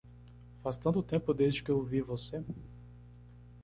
Faz tanto tempo desde que eu vi você!